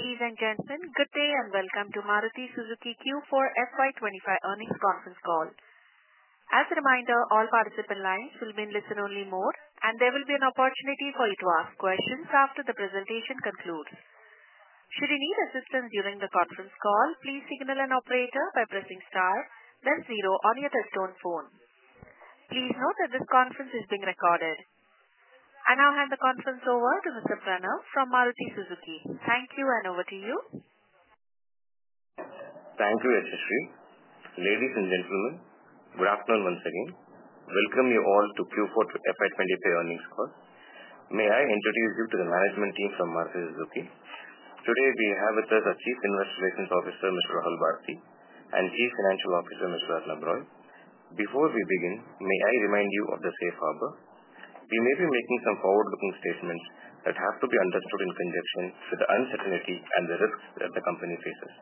Ladies and gentlemen, good day and welcome to Maruti Suzuki Q4 FY 2025 Earnings Conference Call. As a reminder, all participant lines will be in listen-only mode, and there will be an opportunity for you to ask questions after the presentation concludes. Should you need assistance during the conference call, please signal an operator by pressing star, then zero on your touch-tone phone. Please note that this conference is being recorded. I will hand the conference over to Mr. Pranav from Maruti Suzuki. Thank you, and over to you. Thank you, SSC. Ladies and gentlemen, good afternoon once again. Welcome you all to Q4 FY 2025 Earnings Call. May I introduce you to the management team from Maruti Suzuki? Today, we have with us our Chief Investor Relations Officer, Mr. Rahul Bharti, and Chief Financial Officer, Mr. Arnab Roy. Before we begin, may I remind you of the safe harbor? We may be making some forward-looking statements that have to be understood in conjunction with the uncertainty and the risks that the company faces.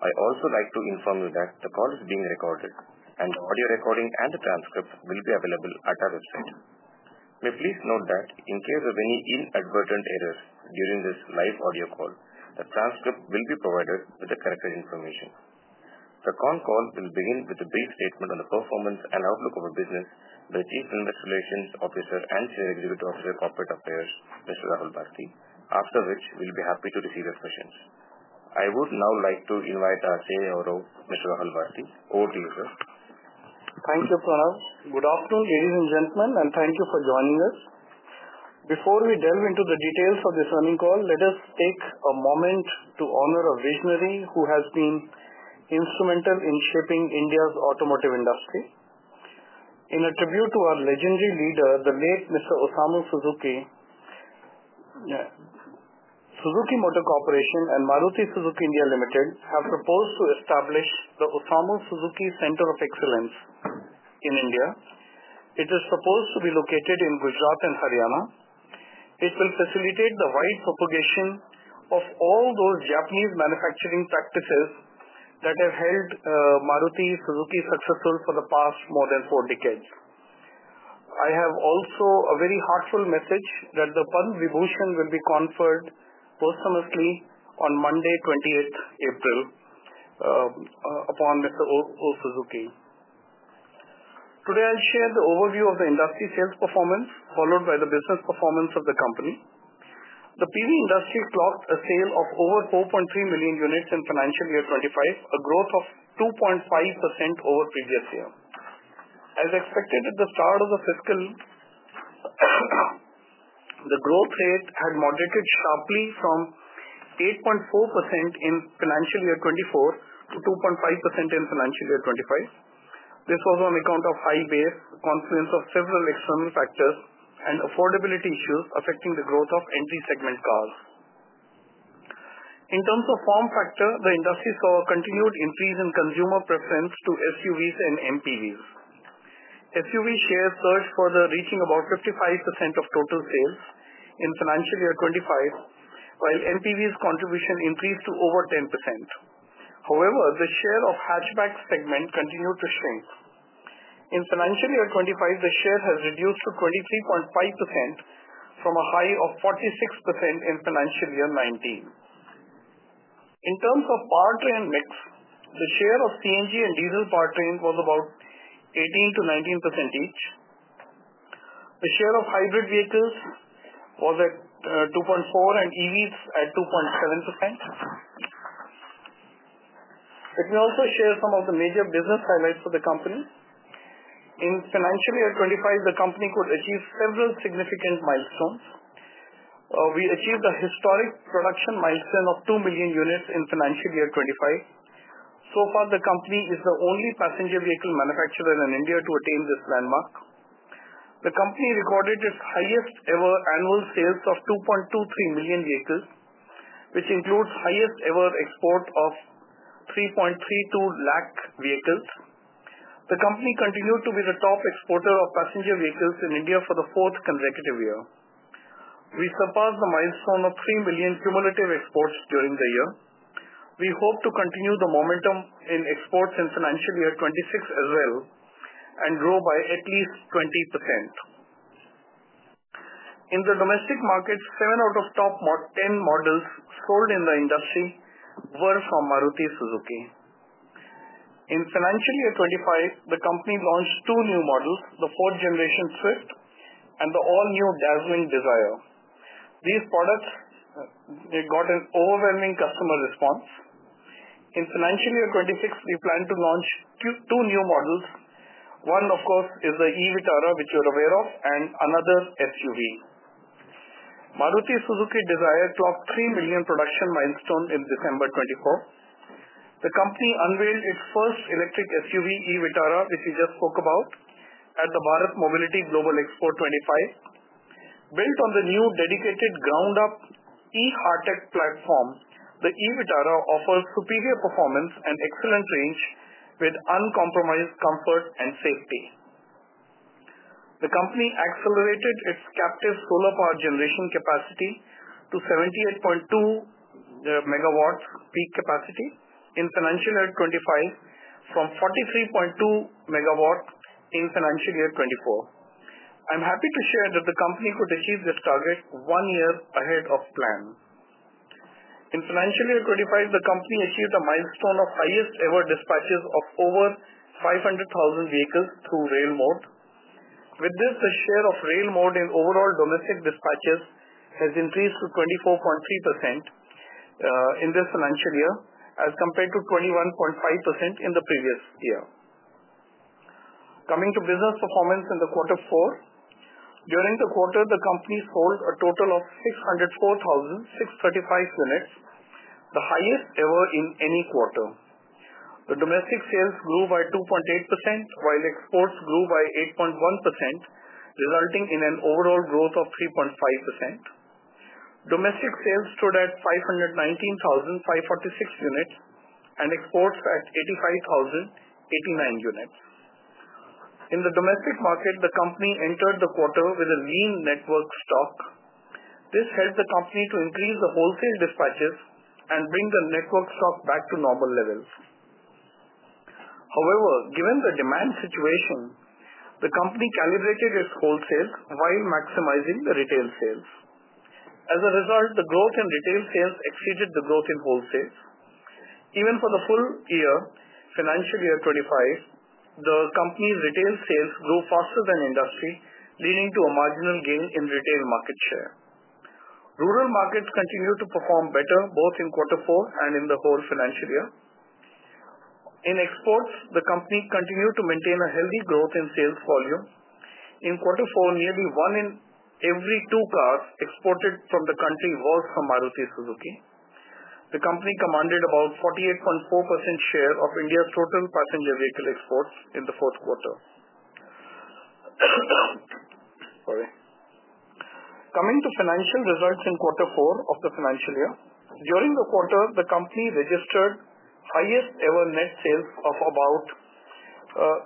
I also like to inform you that the call is being recorded, and the audio recording and the transcript will be available at our website. May please note that in case of any inadvertent errors during this live audio call, a transcript will be provided with the corrected information. The con call will begin with a brief statement on the performance and outlook of our business by Chief Investor Relations Officer and Senior Executive Officer, of Corporate Affairs, Mr. Rahul Bharti, after which we'll be happy to receive your questions. I would now like to invite our Senior Officer, Mr. Rahul Bharti. Over to you, sir. Thank you, Pranav. Good afternoon, ladies and gentlemen, and thank you for joining us. Before we delve into the details of this earnings call, let us take a moment to honor a visionary who has been instrumental in shaping India's automotive industry. In a tribute to our legendary leader, the late Mr. Osamu Suzuki, Suzuki Motor Corporation and Maruti Suzuki India Limited have proposed to establish the Osamu Suzuki Center of Excellence in India. It is supposed to be located in Gujarat and Haryana. It will facilitate the wide propagation of all those Japanese manufacturing practices that have held Maruti Suzuki successful for the past more than four decades. I have also a very heartfelt message that the Padma Vibhushan will be conferred posthumously on Monday, 28th of April, upon Mr. O. Suzuki. Today, I'll share the overview of the industry sales performance, followed by the business performance of the company. The PV industry clocked a sale of over 4.3 million units in financial year 2025, a growth of 2.5% over previous year. As expected at the start of the fiscal, the growth rate had moderated sharply from 8.4% in financial year 2024 to 2.5% in financial year 2025. This was on account of high base, confluence of several external factors, and affordability issues affecting the growth of entry-segment cars. In terms of form factor, the industry saw a continued increase in consumer preference to SUVs and MPVs. SUV shares surged further, reaching about 55% of total sales in financial year 2025, while MPVs' contribution increased to over 10%. However, the share of hatchback segment continued to shrink. In financial year 2025, the share has reduced to 23.5% from a high of 46% in financial year 2019. In terms of powertrain mix, the share of CNG and diesel powertrains was about 18% to 19% each. The share of hybrid vehicles was at 2.4% and EVs at 2.7%. Let me also share some of the major business highlights for the company. In financial year 2025, the company could achieve several significant milestones. We achieved a historic production milestone of 2 million units in financial year 2025. The company is the only passenger vehicle manufacturer in India to attain this landmark. The company recorded its highest-ever annual sales of 2.23 million vehicles, which includes highest-ever export of 332,000 vehicles. The company continued to be the top exporter of passenger vehicles in India for the fourth consecutive year. We surpassed the milestone of 3 million cumulative exports during the year. We hope to continue the momentum in exports in financial year 2026 as well and grow by at least 20%. In the domestic market, seven out of the top 10 models sold in the industry were from Maruti Suzuki. In financial year 2025, the company launched two new models, the fourth-generation Swift and the all-new Dazzling Dzire. These products got an overwhelming customer response. In financial year 2026, we plan to launch two new models. One, of course, is the e Vitara, which you're aware of, and another, SUV. Maruti Suzuki Dzire clocked 3 million production milestone in December 2024. The company unveiled its first electric SUV, e Vitara, which we just spoke about at the Bharat Mobility Global Expo 2025. Built on the new dedicated ground-up e-HEARTECT platform, the e Vitara offers superior performance and excellent range with uncompromised comfort and safety. The company accelerated its captive solar power generation capacity to 78.2 MW peak capacity in financial year 2025 from 43.2 MW in financial year 2024. I'm happy to share that the company could achieve this target one year ahead of plan. In financial year 2025, the company achieved a milestone of highest-ever dispatches of over 500,000 vehicles through rail mode. With this, the share of rail mode in overall domestic dispatches has increased to 24.3% in this financial year as compared to 21.5% in the previous year. Coming to business performance in the quarter four, during the quarter, the company sold a total of 604,635 units, the highest ever in any quarter. The domestic sales grew by 2.8%, while exports grew by 8.1%, resulting in an overall growth of 3.5%. Domestic sales stood at 519,546 units and exports at 85,089 units. In the domestic market, the company entered the quarter with a lean network stock. This helped the company to increase the wholesale dispatches and bring the network stock back to normal levels. However, given the demand situation, the company calibrated its wholesales while maximizing the retail sales. As a result, the growth in retail sales exceeded the growth in wholesales. Even for the full year, financial year 2025, the company's retail sales grew faster than industry, leading to a marginal gain in retail market share. Rural markets continued to perform better both in quarter four and in the whole financial year. In exports, the company continued to maintain a healthy growth in sales volume. In quarter four, nearly one in every two cars exported from the country was from Maruti Suzuki. The company commanded about 48.4% share of India's total passenger vehicle exports in the fourth quarter. Coming to financial results in quarter four of the financial year, during the quarter, the company registered highest-ever net sales of about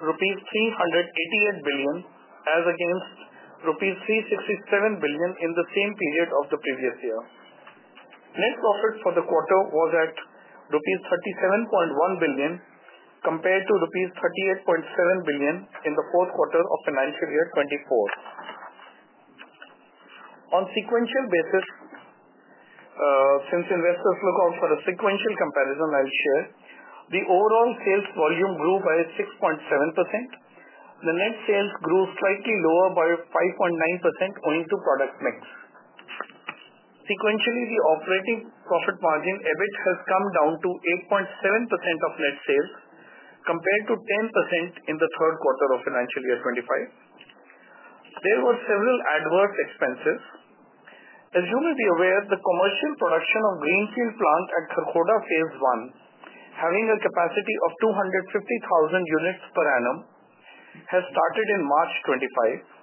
rupees 388 billion crores as against rupees 367 billion crores in the same period of the previous year. Net profit for the quarter was at rupees 37.1 billion crores compared to rupees 38.7 billion crores in the fourth quarter of financial year 2024. On sequential basis, since investors look out for a sequential comparison, I'll share. The overall sales volume grew by 6.7%. The net sales grew slightly lower by 5.9% owing to product mix. Sequentially, the operating profit margin EBIT has come down to 8.7% of net sales compared to 10% in the third quarter of financial year 2025. There were several adverse expenses. As you may be aware, the commercial production of Greenfield Plant at Kharkhoda phase I, having a capacity of 250,000 units per annum, has started in March 2025.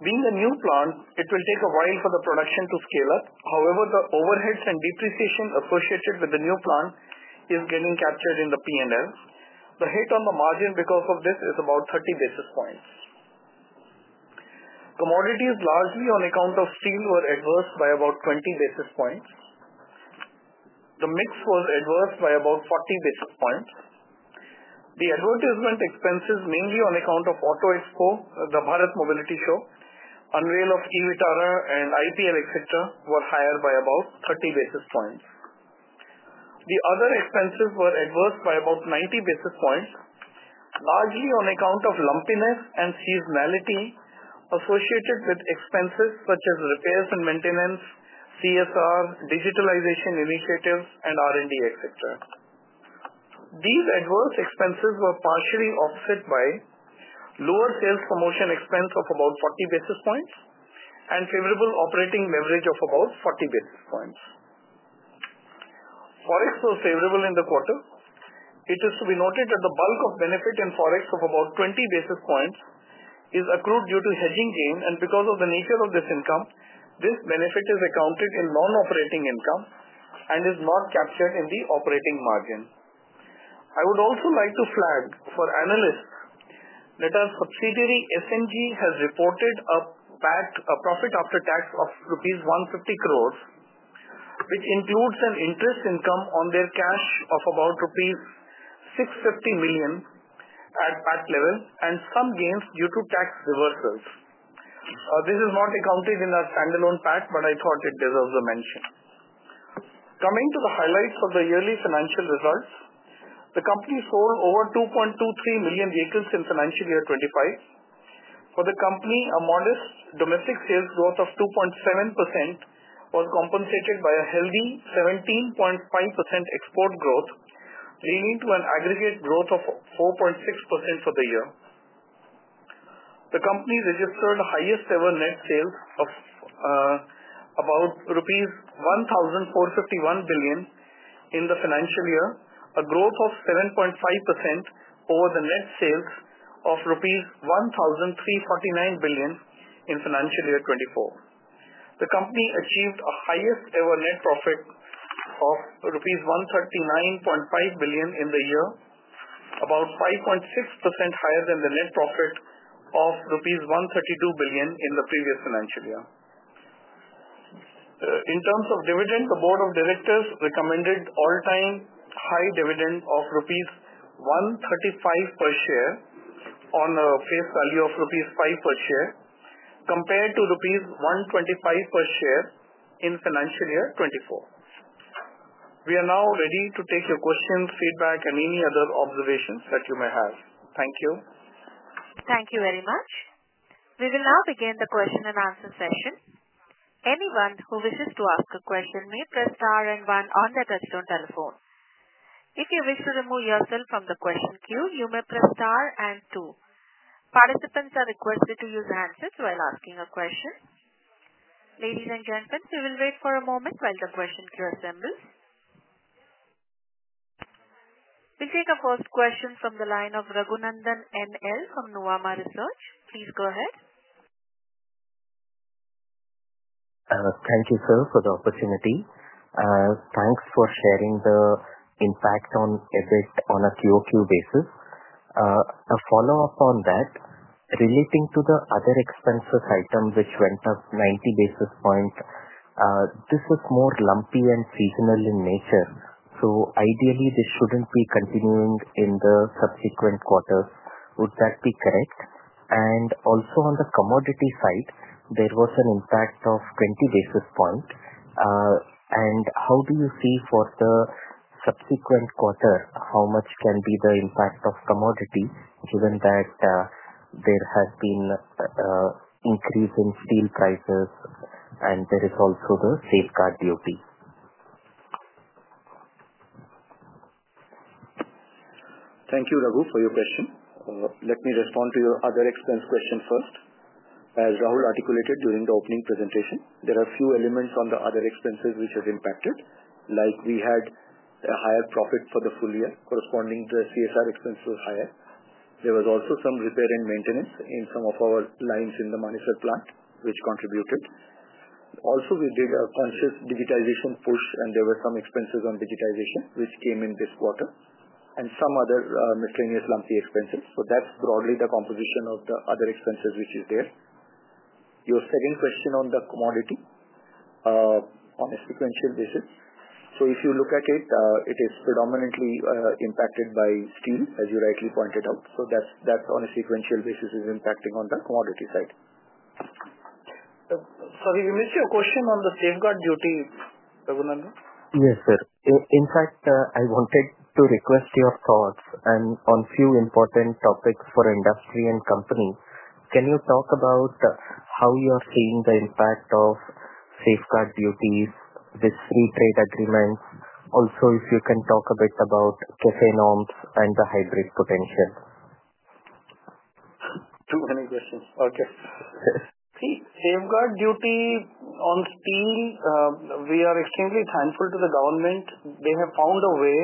Being a new plant, it will take a while for the production to scale up. However, the overheads and depreciation associated with the new plant is getting captured in the P&L. The hit on the margin because of this is about 30 basis points. Commodities, largely on account of steel, were adverse by about 20 basis points. The mix was adverse by about 40 basis points. The advertisement expenses, mainly on account of Auto Expo, the Bharat Mobility Show, unveil of e Vitara, and IPL, etc., were higher by about 30 basis points. The other expenses were adverse by about 90 basis points, largely on account of lumpiness and seasonality associated with expenses such as repairs and maintenance, CSR, digitalization initiatives, and R&D, etc. These adverse expenses were partially offset by lower sales promotion expense of about 40 basis points and favorable operating leverage of about 40 basis points. Forex was favorable in the quarter. It is to be noted that the bulk of benefit in forex of about 20 basis points is accrued due to hedging gain, and because of the nature of this income, this benefit is accounted in non-operating income and is not captured in the operating margin. I would also like to flag for analysts that our subsidiary SMG has reported a PAT, a profit after tax of rupees 1.50 billion crores, which includes an interest income on their cash of about rupees 650 million crores at PAT level and some gains due to tax reversals. This is not accounted in our standalone PAT, but I thought it deserves a mention. Coming to the highlights of the yearly financial results, the company sold over 2.23 million vehicles in financial year 2025. For the company, a modest domestic sales growth of 2.7% was compensated by a healthy 17.5% export growth, leading to an aggregate growth of 4.6% for the year. The company registered highest-ever net sales of about rupees 1,451 billion crores in the financial year, a growth of 7.5% over the net sales of INR 1,349 billion crores in financial year 2024. The company achieved a highest-ever net profit of rupees 139.5 billion crores in the year, about 5.6% higher than the net profit of rupees 132 billion crores in the previous financial year. In terms of dividend, the board of directors recommended all-time high dividend of rupees 135 crores per share on a face value of rupees 5 crores per share compared to rupees 125 crores per share in financial year 2024. We are now ready to take your questions, feedback, and any other observations that you may have. Thank you. Thank you very much. We will now begin the question and answer session. Anyone who wishes to ask a question may press star and one on the touchstone telephone. If you wish to remove yourself from the question queue, you may press star and two. Participants are requested to use handsets while asking a question. Ladies and gentlemen, we will wait for a moment while the question queue assembles. We'll take a first question from the line of Raghunandan NL from Nuvama Research. Please go ahead. Thank you, sir, for the opportunity. Thanks for sharing the impact on EBIT on a QoQ basis. A follow-up on that, relating to the other expenses item which went up 90 basis points, this is more lumpy and seasonal in nature. Ideally, this shouldn't be continuing in the subsequent quarters. Would that be correct? Also, on the commodity side, there was an impact of 20 basis points. How do you see for the subsequent quarter how much can be the impact of commodity given that there has been an increase in steel prices and there is also the safeguard duty? Thank you, Raghu, for your question. Let me respond to your other expense question first. As Rahul articulated during the opening presentation, there are a few elements on the other expenses which have impacted, like we had a higher profit for the full year corresponding to the CSR expenses higher. There was also some repair and maintenance in some of our lines in the Manesar plant, which contributed. Also, we did a conscious digitization push, and there were some expenses on digitization which came in this quarter and some other miscellaneous lumpy expenses. That is broadly the composition of the other expenses which is there. Your second question on the commodity on a sequential basis. If you look at it, it is predominantly impacted by steel, as you rightly pointed out. That on a sequential basis is impacting on the commodity side. Sorry, we missed your question on the safeguard duty, Raghunandan. Yes, sir. In fact, I wanted to request your thoughts on a few important topics for industry and company. Can you talk about how you're seeing the impact of safeguard duties, these free trade agreements? Also, if you can talk a bit about CAFE norms and the hybrid potential. Too many questions. Okay. Safeguard duty on steel, we are extremely thankful to the government. They have found a way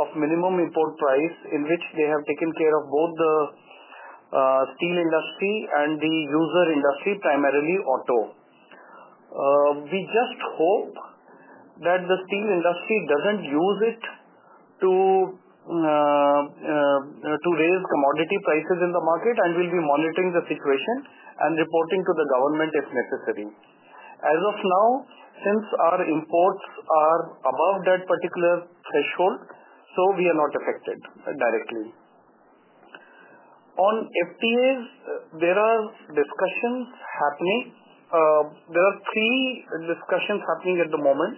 of minimum import price in which they have taken care of both the steel industry and the user industry, primarily auto. We just hope that the steel industry doesn't use it to raise commodity prices in the market, and we'll be monitoring the situation and reporting to the government if necessary. As of now, since our imports are above that particular threshold, we are not affected directly. On FTAs, there are discussions happening. There are three discussions happening at the moment: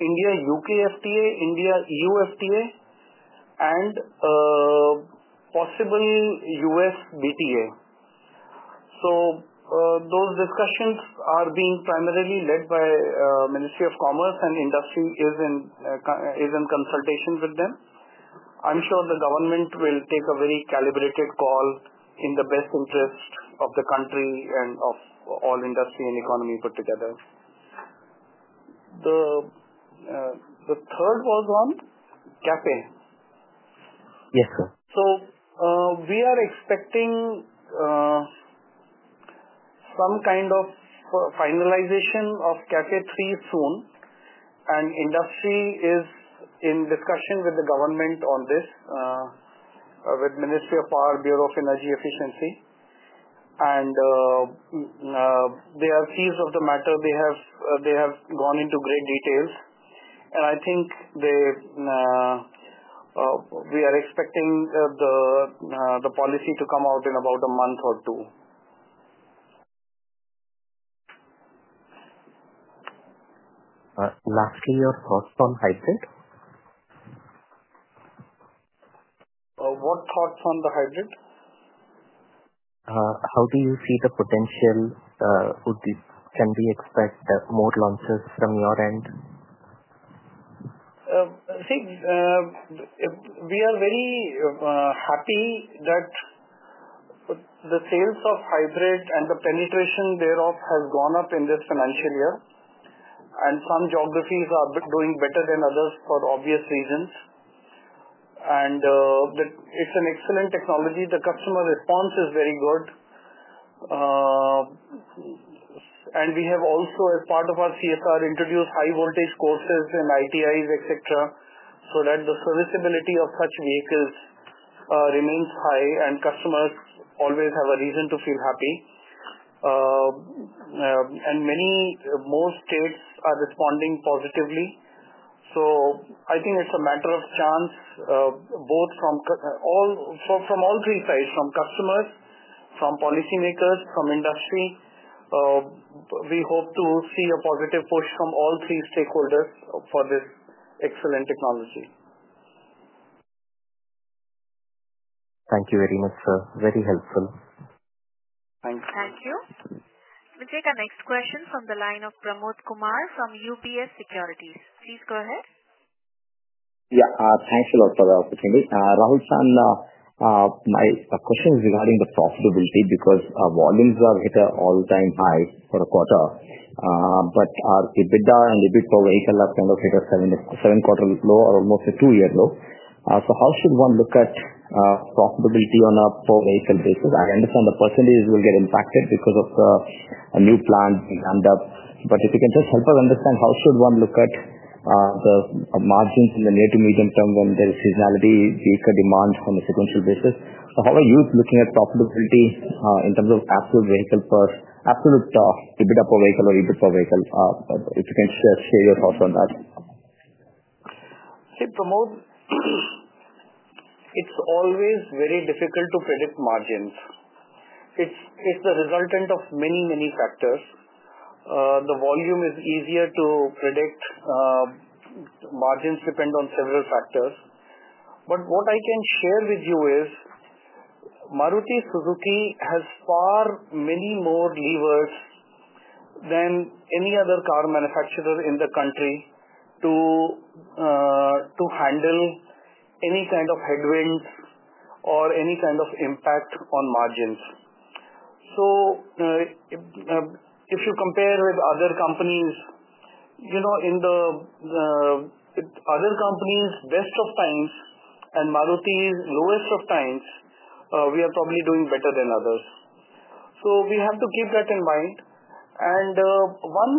India-U.K. FTA, India-E.U. FTA, and possible is U.S. BTA. Those discussions are being primarily led by the Ministry of Commerce, and industry is in consultation with them. I'm sure the government will take a very calibrated call in the best interest of the country and of all industry and economy put together. The third was on CAFE. Yes, sir. We are expecting some kind of finalization of CAFE-III soon, and industry is in discussion with the government on this, with the Ministry of Power, Bureau of Energy Efficiency. They are seized of the matter. They have gone into great details. I think we are expecting the policy to come out in about a month or two. Lastly, your thoughts on hybrid? What thoughts on the hybrid? How do you see the potential of this? Can we expect more launches from your end? See, we are very happy that the sales of hybrid and the penetration thereof has gone up in this financial year. Some geographies are doing better than others for obvious reasons. It is an excellent technology. The customer response is very good. We have also, as part of our CSR, introduced high-voltage courses and ITIs, etc., so that the serviceability of such vehicles remains high and customers always have a reason to feel happy. Many more states are responding positively. I think it is a matter of chance, both from all three sides: from customers, from policymakers, from industry. We hope to see a positive push from all three stakeholders for this excellent technology. Thank you very much, sir. Very helpful. Thanks. Thank you. We'll take our next question from the line of Pramod Kumar from UBS Securities. Please go ahead. Yeah. Thanks a lot for the opportunity. Rahul San, my question is regarding the profitability because volumes have hit an all-time high for a quarter, but EBITDA and EBIT per vehicle have kind of hit a seven-quarter low or almost a two-year low. How should one look at profitability on a per-vehicle basis? I understand the percentages will get impacted because of the new plant being ramped up. If you can just help us understand, how should one look at the margins in the near to medium term when there is seasonality, vehicle demand on a sequential basis? How are you looking at profitability in terms of absolute EBITDA per vehicle or EBIT per vehicle? If you can share your thoughts on that. See, Pramod, it's always very difficult to predict margins. It's the resultant of many, many factors. The volume is easier to predict. Margins depend on several factors. What I can share with you is Maruti Suzuki has far many more levers than any other car manufacturer in the country to handle any kind of headwinds or any kind of impact on margins. If you compare with other companies, in the other companies' best of times and Maruti's lowest of times, we are probably doing better than others. We have to keep that in mind. One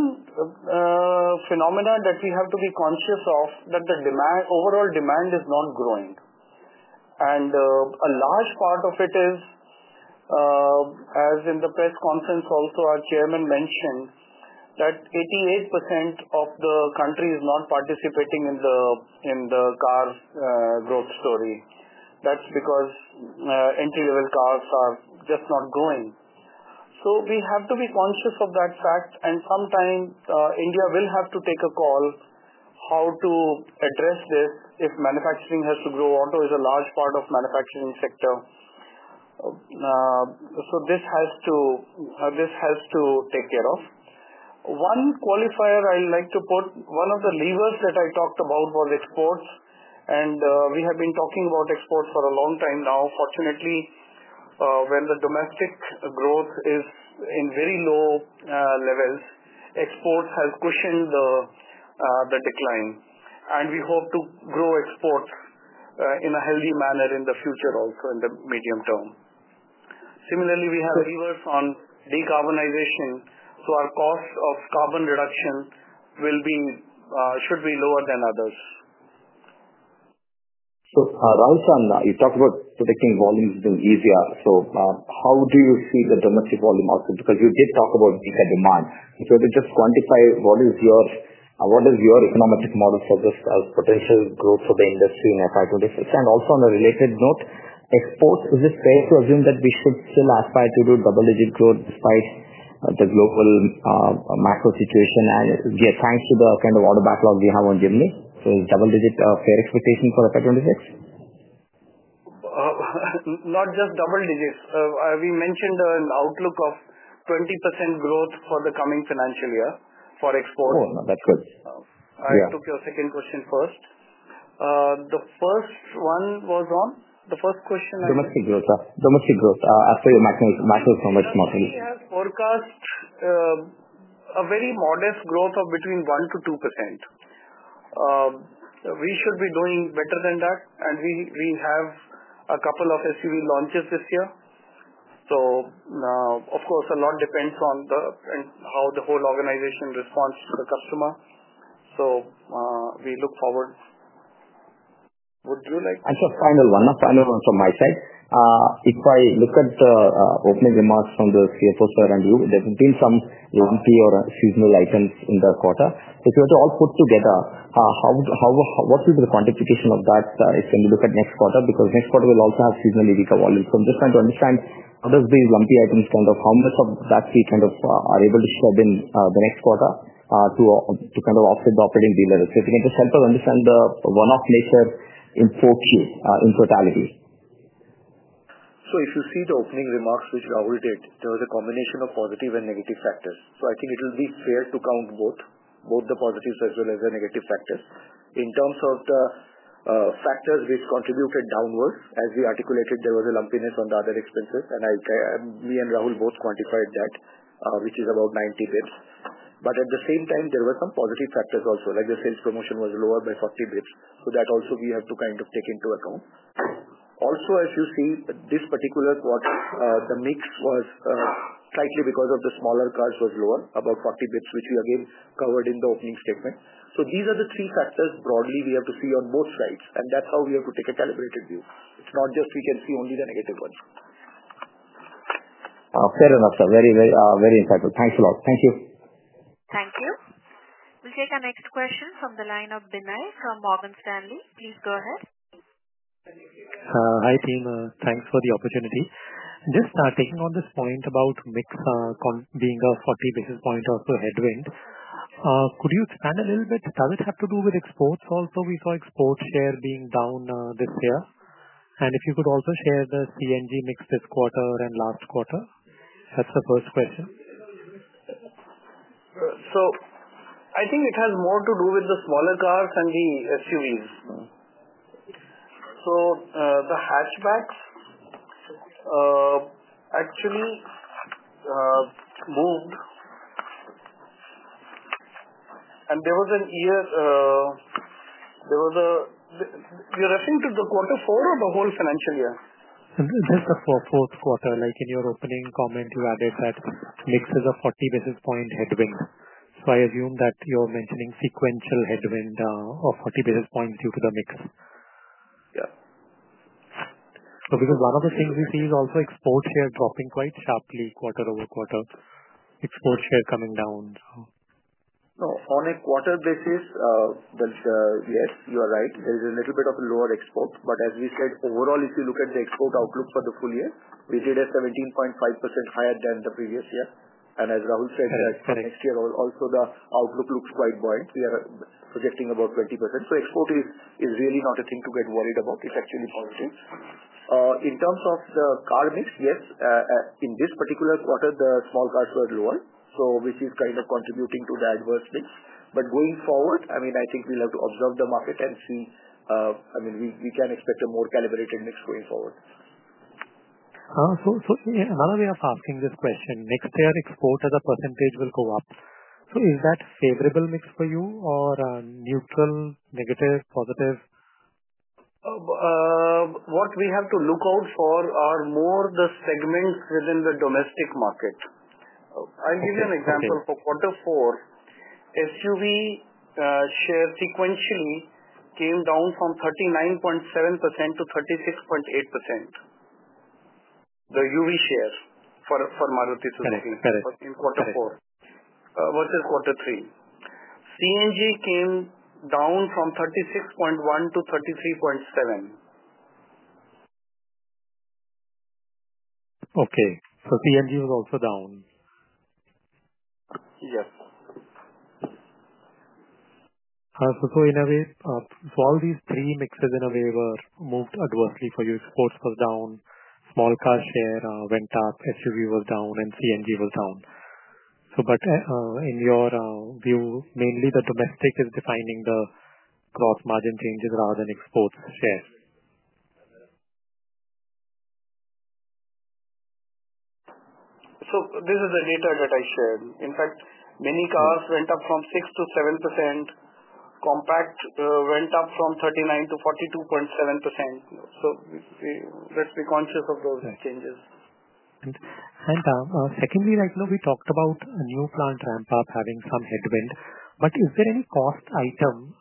phenomenon that we have to be conscious of is that the overall demand is not growing. A large part of it is, as in the press conference also, our Chairman mentioned, that 88% of the country is not participating in the car growth story. That's because entry-level cars are just not growing. We have to be conscious of that fact. Sometimes India will have to take a call on how to address this if manufacturing has to grow. Auto is a large part of the manufacturing sector. This has to be taken care of. One qualifier I'd like to put: one of the levers that I talked about was exports. We have been talking about exports for a long time now. Fortunately, when the domestic growth is in very low levels, exports have cushioned the decline. We hope to grow exports in a healthy manner in the future also, in the medium term. Similarly, we have levers on decarbonization, so our cost of carbon reduction should be lower than others. Rahul San, you talked about predicting volumes being easier. How do you see the domestic volume also? Because you did talk about vehicle demand. If you were to just quantify, what is your economic model for this potential growth for the industry in FY 2026? Also, on a related note, exports, is it fair to assume that we should still aspire to do double-digit growth despite the global macro situation? Thanks to the kind of auto backlog we have on Jimny, is double-digit a fair expectation for FY 2026? Not just double-digits. We mentioned an outlook of 20% growth for the coming financial year for exports. Oh, no. That's good. I took your second question first. The first one was on the first question I had. Domestic growth, sir. Domestic growth after your macro economic model? We have forecast a very modest growth of between 1% to 2%. We should be doing better than that. We have a couple of SUV launches this year. Of course, a lot depends on how the whole organization responds to the customer. We look forward. Would you like to? Final one, final one from my side. If I look at the opening remarks from the CFO, sir, and you, there have been some lumpy or seasonal items in the quarter. If you were to all put together, what will be the quantification of that if you look at next quarter? Because next quarter, we'll also have seasonal vehicle volume. I'm just trying to understand how these lumpy items, how much of that we are able to shove in the next quarter to offset the operating dealers. If you can just help us understand the one-off nature in full Q, in totality. If you see the opening remarks which Rahul did, there was a combination of positive and negative factors. I think it will be fair to count both, both the positives as well as the negative factors. In terms of the factors which contributed downward, as we articulated, there was a lumpiness on the other expenses. Me and Rahul both quantified that, which is about 90 basis points. At the same time, there were some positive factors also, like the sales promotion was lower by 40 basis points. That also we have to kind of take into account. Also, as you see, this particular quarter, the mix was slightly because of the smaller cars was lower, about 40 basis points, which we again covered in the opening statement. These are the three factors broadly we have to see on both sides. That's how we have to take a calibrated view. It's not just we can see only the negative ones. Fair enough, sir. Very, very insightful. Thanks a lot. Thank you. Thank you. We'll take our next question from the line of Binay from Morgan Stanley. Please go ahead. Hi, team. Thanks for the opportunity. Just taking on this point about mix being a 40 basis point or so headwind, could you expand a little bit? Does it have to do with exports also? We saw export share being down this year. And if you could also share the CNG mix this quarter and last quarter. That's the first question. I think it has more to do with the smaller cars and the SUVs. The hatchbacks actually moved. There was a year, there was a, you're were referring to the quarter four or the whole financial year? Just the fourth quarter. In your opening comment, you added that mix is a 40 basis point headwind. I assume that you're mentioning sequential headwind of 40 basis points due to the mix. Yeah. Because one of the things we see is also export share dropping quite sharply quarter-over-quarter. Export share coming down. On a quarter basis, yes, you are right. There is a little bit of a lower export. As we said, overall, if you look at the export outlook for the full year, we did a 17.5% higher than the previous year. As Rahul said, next year, also the outlook looks quite buoyant. We are projecting about 20%. Export is really not a thing to get worried about. It's actually positive. In terms of the car mix, yes. In this particular quarter, the small cars were lower, which is kind of contributing to the adverse mix. Going forward, I mean, I think we'll have to observe the market and see. I mean, we can expect a more calibrated mix going forward. While we are asking this question, next year, export as a percentage will go up. Is that a favorable mix for you or neutral, negative, positive? What we have to look out for are more the segments within the domestic market. I'll give you an example. For quarter four, SUV share sequentially came down from 39.7% to 36.8%. The UV share for Maruti Suzuki in quarter four versus quarter three. CNG came down from 36.1% to 33.7%. Okay. CNG was also down? Yes. In a way, all these three mixes in a way were moved adversely for you. Exports was down, small car share went up, SUV was down, and CNG was down. In your view, mainly the domestic is defining the gross margin changes rather than exports share. This is the data that I shared. In fact, many cars went up from 6% to 7%. Compact went up from 39% to 42.7%. Let's be conscious of those changes. Secondly, right now, we talked about a new plant ramp-up having some headwind. Is there any cost item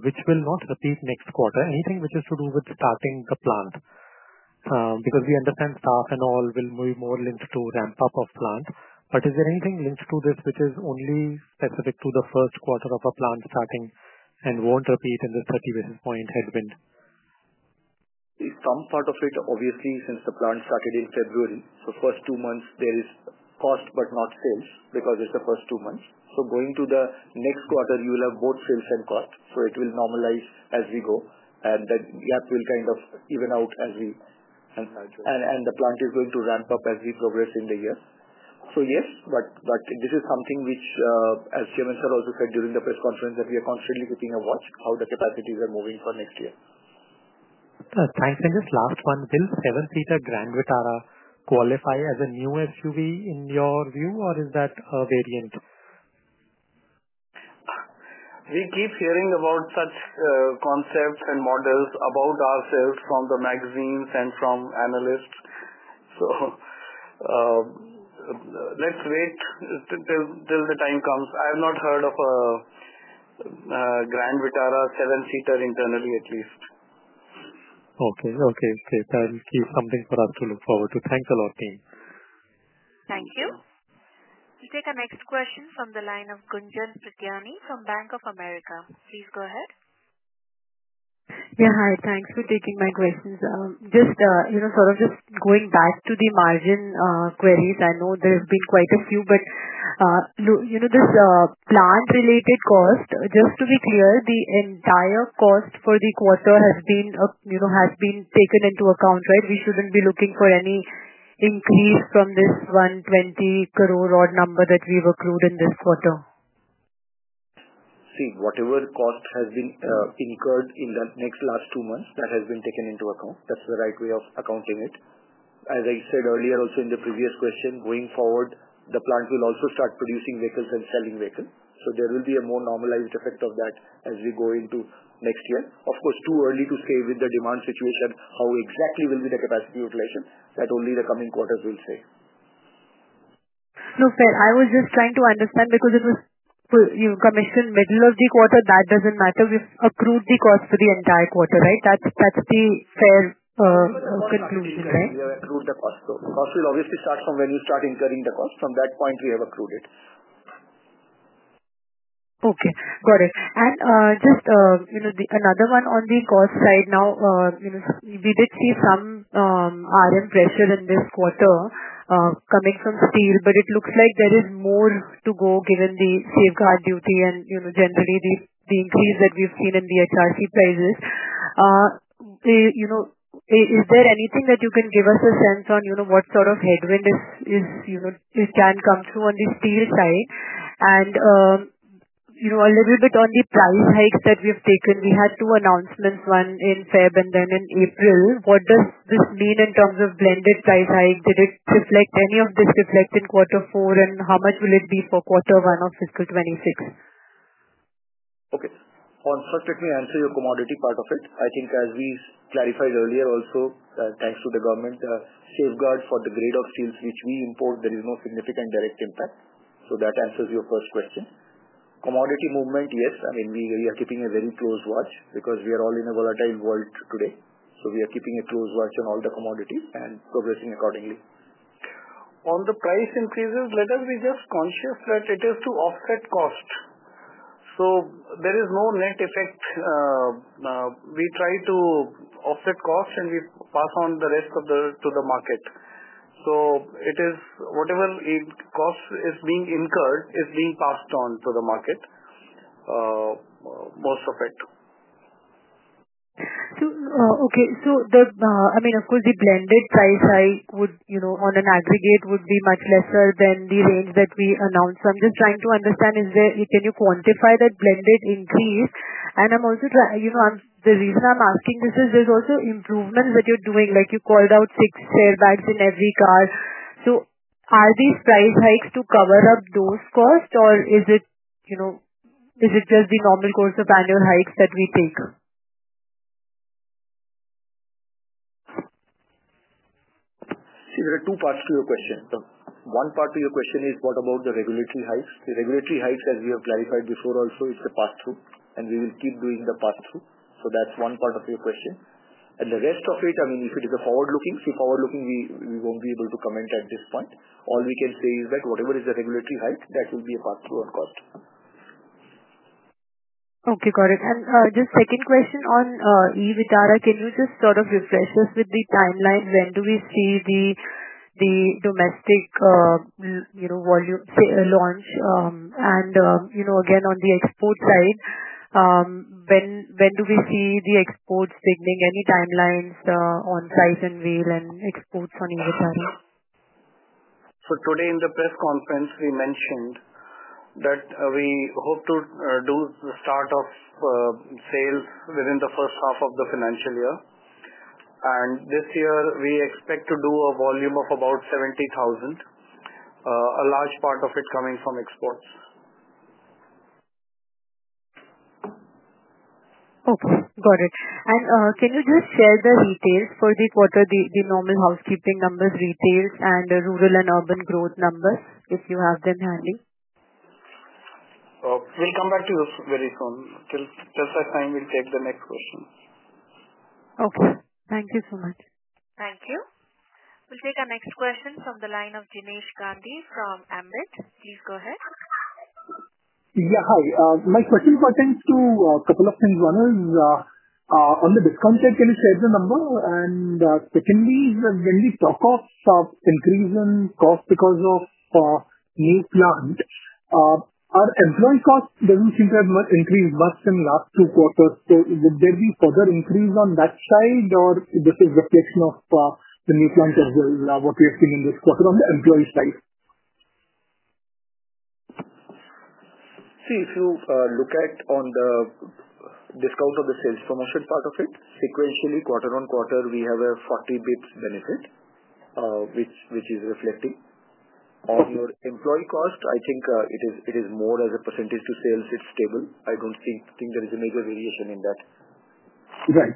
which will not repeat next quarter? Anything which is to do with starting the plant? We understand staff and all will be more linked to ramp-up of plant. Is there anything linked to this which is only specific to the first quarter of a plant starting and will not repeat in this 30 basis point headwind? Some part of it, obviously, since the plant started in February. First two months, there is cost but not sales because it's the first two months. Going to the next quarter, you will have both sales and cost. It will normalize as we go. That gap will kind of even out as we and the plant is going to ramp up as we progress in the year. Yes. This is something which, as Chairman Sir also said during the press conference, we are constantly keeping a watch on how the capacities are moving for next year. Thanks. Just last one. Will 7-seater Grand Vitara qualify as a new SUV in your view, or is that a variant? We keep hearing about such concepts and models about ourselves from the magazines and from analysts. Let's wait till the time comes. I have not heard of a Grand Vitara 7-seater internally, at least. Okay. Okay. Great. That will be something for us to look forward to. Thanks a lot, team. Thank you. We'll take our next question from the line of Gunjan Prithyani from Bank of America. Please go ahead. Yeah. Hi. Thanks for taking my questions. Just sort of just going back to the margin queries. I know there have been quite a few. But this plant-related cost, just to be clear, the entire cost for the quarter has been taken into account, right? We shouldn't be looking for any increase from this 120 crores odd number that we've accrued in this quarter. See, whatever cost has been incurred in the next last two months, that has been taken into account. That's the right way of accounting it. As I said earlier, also in the previous question, going forward, the plant will also start producing vehicles and selling vehicles. There will be a more normalized effect of that as we go into next year. Of course, too early to say with the demand situation how exactly will be the capacity utilization, that only the coming quarters will say. No, sir. I was just trying to understand because you commissioned middle of the quarter. That does not matter. We have accrued the cost for the entire quarter, right? That is the fair conclusion, right? We have accrued the cost. Cost will obviously start from when you start incurring the cost. From that point, we have accrued it. Okay. Got it. Just another one on the cost side now. We did see some RM pressure in this quarter coming from steel. It looks like there is more to go given the safeguard duty and generally the increase that we've seen in the HRC prices. Is there anything that you can give us a sense on what sort of headwind can come through on the steel side? A little bit on the price hikes that we've taken. We had two announcements, one in February and then in April. What does this mean in terms of blended price hike? Did any of this reflect in quarter four? How much will it be for quarter one of Fiscal 2026? Okay. Constructively, I answer your commodity part of it. I think as we clarified earlier also, thanks to the government, the safeguard for the grade of steels which we import, there is no significant direct impact. That answers your first question. Commodity movement, yes. I mean, we are keeping a very close watch because we are all in a volatile world today. We are keeping a close watch on all the commodities and progressing accordingly. On the price increases, let us be just conscious that it is to offset cost. There is no net effect. We try to offset costs and we pass on the rest to the market. Whatever cost is being incurred is being passed on to the market, most of it. Okay. I mean, of course, the blended price hike on an aggregate would be much lesser than the range that we announced. I'm just trying to understand, can you quantify that blended increase? I'm also trying, the reason I'm asking this is there's also improvements that you're doing. You called out six airbags in every car. Are these price hikes to cover up those costs, or is it just the normal course of annual hikes that we take? See, there are two parts to your question. One part of your question is what about the regulatory hikes? The regulatory hikes, as we have clarified before also, is the pass-through. We will keep doing the pass-through. That is one part of your question. The rest of it, I mean, if it is a forward-looking, see, forward-looking, we will not be able to comment at this point. All we can say is that whatever is the regulatory hike, that will be a pass-through on cost. Okay. Got it. Just second question on e Vitara, can you just sort of refresh us with the timeline? When do we see the domestic volume launch? Again, on the export side, when do we see the exports signaling? Any timelines on size and wheel and exports on e Vitara? Today, in the press conference, we mentioned that we hope to do the start of sales within the first half of the financial year. This year, we expect to do a volume of about 70,000, a large part of it coming from exports. Okay. Got it. Can you just share the details for the quarter, the normal housekeeping numbers, retails, and rural and urban growth numbers, if you have them handy? We'll come back to you very soon. Unti that time, we'll take the next question. Okay. Thank you so much. Thank you. We'll take our next question from the line of Jinesh Gandhi from Ambit. Please go ahead. Yeah. Hi. My question pertains to a couple of things. One is, on the discount check, can you share the number? Secondly, when we talk of increase in cost because of new plant, our employee cost does not seem to have increased much in the last two quarters. Would there be further increase on that side, or is this a reflection of the new plant as well, what we have seen in this quarter on the employee side? See, if you look at on the discount of the sales promotion part of it, sequentially, quarter on quarter, we have a 40 basis points benefit, which is reflecting. On your employee cost, I think it is more as a percentage to sales. It is stable. I do not think there is a major variation in that. Right.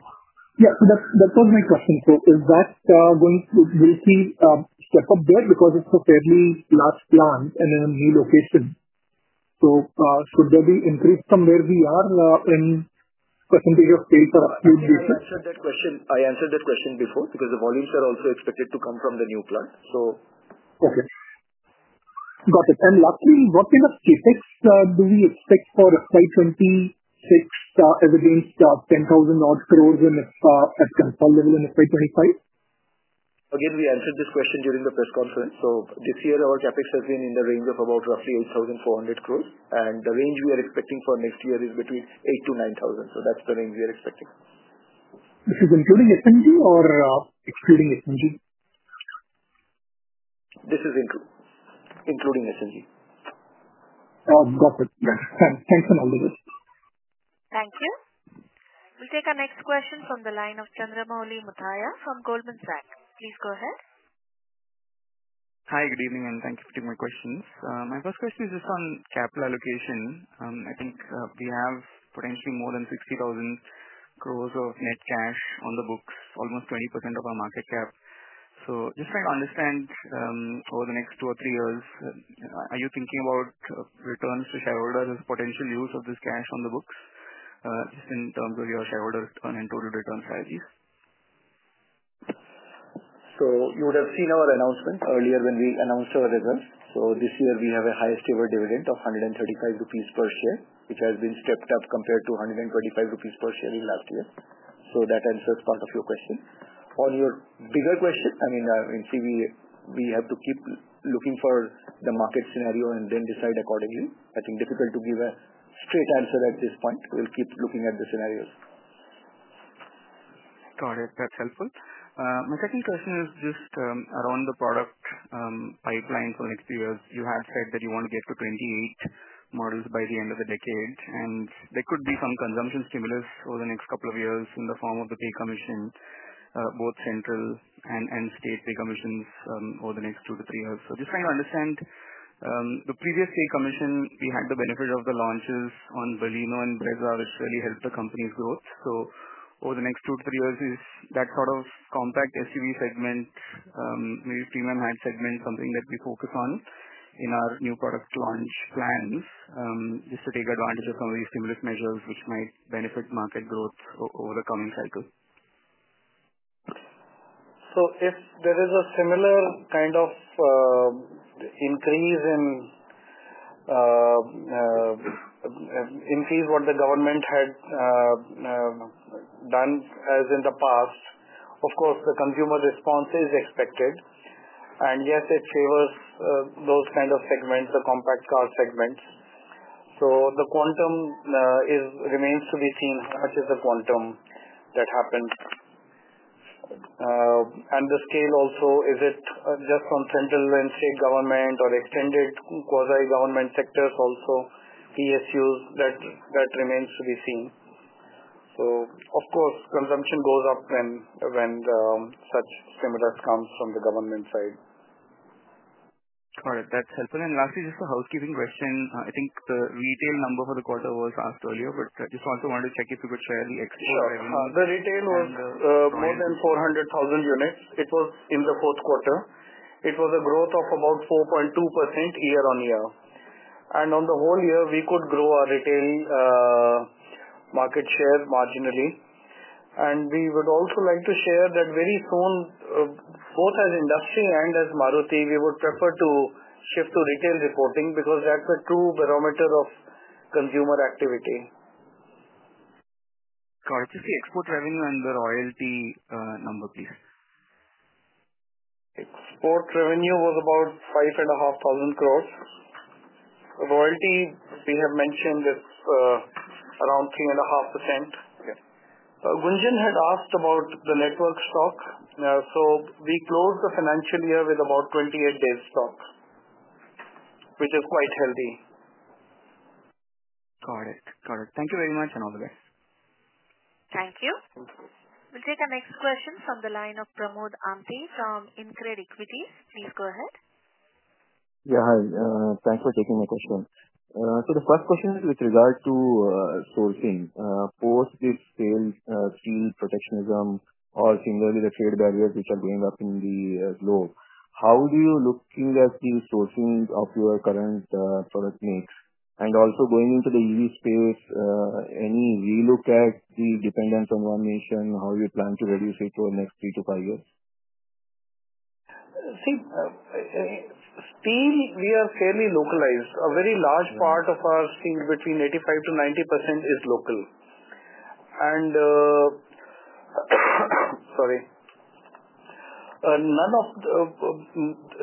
Yeah. That was my question. Will we see a step up there because it is a fairly large plant and in a new location? Should there be increase from where we are in percentage of sales or upgrade basis? I answered that question. I answered that question before because the volumes are also expected to come from the new plant. Okay. Got it. Lastly, what kind of CapEx do we expect for FY 2026 as against INR 10,000 crores odd at consolidable in FY 2025? Again, we answered this question during the press conference. This year, our CapEx has been in the range of about roughly 8,400 crores. The range we are expecting for next year is between 8,000 crores to 9,000 crores. That is the range we are expecting. This is including SMG or excluding SMG? This is including SMG. Got it. Thanks for knowing this. Thank you. We'll take our next question from the line of Chandramouli Muthaya from Goldman Sachs. Please go ahead. Hi. Good evening. Thank you for taking my questions. My first question is just on capital allocation. I think we have potentially more than 60,000 crores of net cash on the books, almost 20% of our market cap. Just trying to understand over the next two or three years, are you thinking about returns to shareholders as a potential use of this cash on the books just in terms of your shareholder return and total return strategies? You would have seen our announcement earlier when we announced our results. This year, we have a high stable dividend of 135 crores rupees per share, which has been stepped up compared to 125 crores rupees per share in last year. That answers part of your question. On your bigger question, I mean, I see we have to keep looking for the market scenario and then decide accordingly. I think difficult to give a straight answer at this point. We'll keep looking at the scenarios. Got it. That's helpful. My second question is just around the product pipeline for next few years. You had said that you want to get to 28 models by the end of the decade. There could be some consumption stimulus over the next couple of years in the form of the pay commission, both central and state pay commissions over the next two to three years. Just trying to understand, the previous pay commission, we had the benefit of the launches on Baleno and Brezza, which really helped the company's growth. Over the next two to three years, that sort of compact SUV segment, maybe premium high segment, is something that we focus on in our new product launch plans just to take advantage of some of these stimulus measures, which might benefit market growth over the coming cycle. If there is a similar kind of increase in what the government had done as in the past, of course, the consumer response is expected. Yes, it favors those kinds of segments, the compact car segments. The quantum remains to be seen. How much is the quantum that happened? The scale also, is it just on central and state government or extended quasi-government sectors also, PSUs? That remains to be seen. Of course, consumption goes up when such stimulus comes from the government side. Got it. That's helpful. Lastly, just a housekeeping question. I think the retail number for the quarter was asked earlier, but just also wanted to check if you could share the extra revenue. Sure. The retail was more than 400,000 units. It was in the fourth quarter. It was a growth of about 4.2% year-on-year. On the whole year, we could grow our retail market share marginally. We would also like to share that very soon, both as industry and as Maruti, we would prefer to shift to retail reporting because that's a true barometer of consumer activity. Got it. Just the export revenue and the royalty number, please. Export revenue was about 5,500 crores. Royalty, we have mentioned that around 3.5%. Gunjan had asked about the network stock. We closed the financial year with about 28 days stock, which is quite healthy. Got it. Got it. Thank you very much and all the best. Thank you. We'll take our next question from the line of Pramod Amthe from InCred Equities. Please go ahead. Yeah. Hi. Thanks for taking my question. The first question is with regard to sourcing. Post this sale, steel protectionism, or similar with the trade barriers which are going up in the globe, how do you look at the sourcing of your current product mix? Also, going into the EV space, any relook at the dependence on one nation, how you plan to reduce it over the next three to five years? See, steel, we are fairly localized. A very large part of our steel, between 85% to 90%, is local. Sorry. The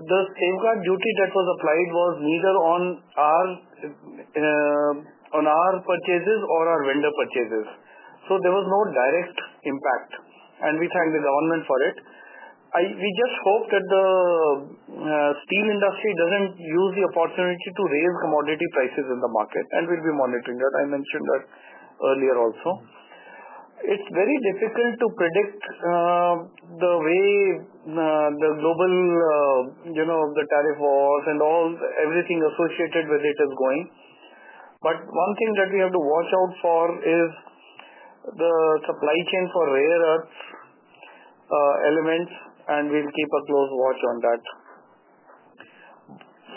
safeguard duty that was applied was neither on our purchases or our vendor purchases. There was no direct impact. We thank the government for it. We just hope that the steel industry does not use the opportunity to raise commodity prices in the market. We will be monitoring that. I mentioned that earlier also. It is very difficult to predict the way the global tariff wars and everything associated with it is going. One thing that we have to watch out for is the supply chain for rare earth elements, and we will keep a close watch on that.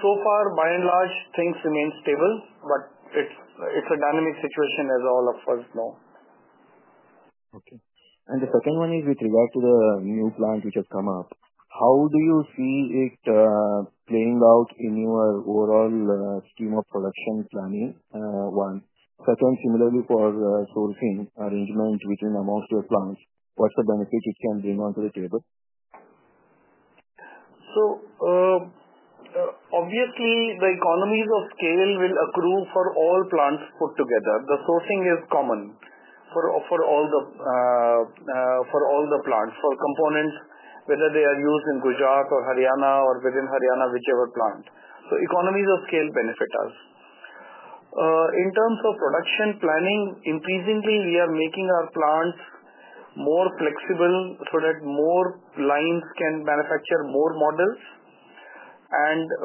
So far, by and large, things remain stable, but it is a dynamic situation, as all of us know. Okay. The second one is with regard to the new plant which has come up. How do you see it playing out in your overall scheme of production planning? One. Second, similarly for sourcing arrangement between amongst your plants, what is the benefit it can bring onto the table? Obviously, the economies of scale will accrue for all plants put together. The sourcing is common for all the plants for components, whether they are used in Gujarat or Haryana or within Haryana, whichever plant. Economies of scale benefit us. In terms of production planning, increasingly, we are making our plants more flexible so that more lines can manufacture more models.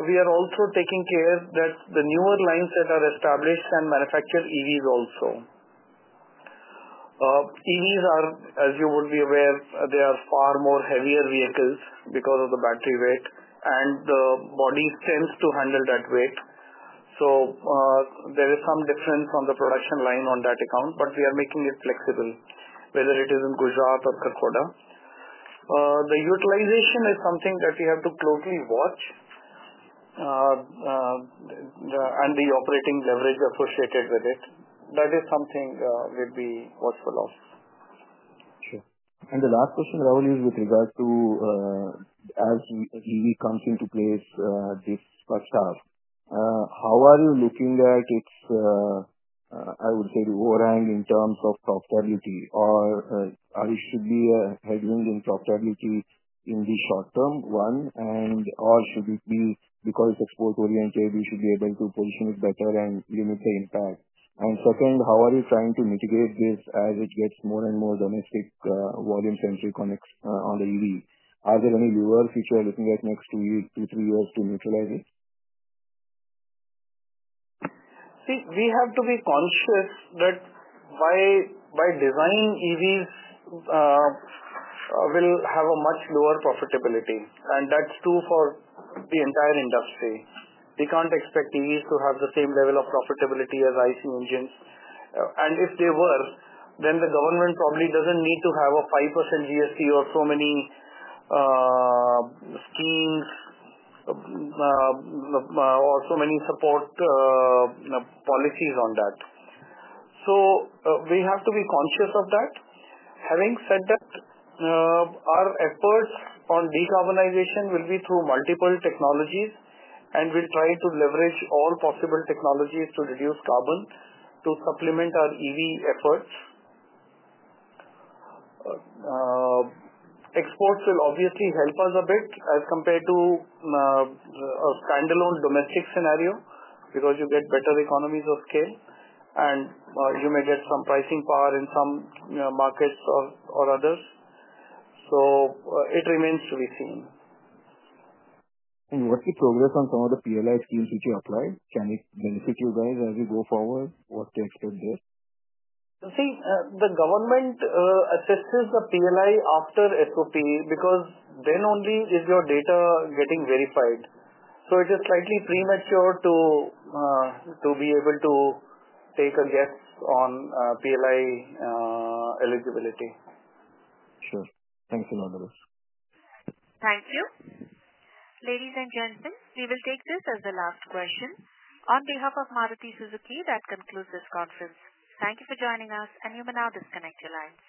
We are also taking care that the newer lines that are established can manufacture EVs also. EVs are, as you would be aware, they far more heavier vehicles because of the battery weight, and the body tends to handle that weight. There is some difference on the production line on that account, but we are making it flexible, whether it is in Gujarat or Kharkhoda. The utilization is something that we have to closely watch and the operating leverage associated with it. That is something we'd be watchful of. Sure. The last question, Rahul, is with regard to as EV comes into place, this stuff, how are you looking at its, I would say, overhang in terms of profitability? Should we have a headwind in profitability in the short term, one? Or should it be because it's export-oriented, we should be able to position it better and limit the impact? Second, how are you trying to mitigate this as it gets more and more domestic volume-centric on the EV? Are there any levers which you are looking at next two, three years to neutralize it? See, we have to be conscious that by design, EVs will have a much lower profitability. That's true for the entire industry. We can't expect EVs to have the same level of profitability as IC engines. If they were, then the government probably does not need to have a 5% GST or so many schemes or so many support policies on that. We have to be conscious of that. Having said that, our efforts on decarbonization will be through multiple technologies, and we will try to leverage all possible technologies to reduce carbon to supplement our EV efforts. Exports will obviously help us a bit as compared to a standalone domestic scenario because you get better economies of scale, and you may get some pricing power in some markets or others. It remains to be seen. What's the progress on some of the PLI schemes which you applied? Can it benefit you guys as we go forward? What to expect there? The government assesses the PLI after SOP because then only is your data getting verified. It is slightly premature to be able to take a guess on PLI eligibility. Sure. Thanks a lot, Rahul. Thank you. Ladies and gentlemen, we will take this as the last question. On behalf of Maruti Suzuki, that concludes this conference. Thank you for joining us, and you may now disconnect your lines.